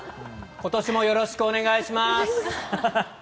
今年もよろしくお願いします！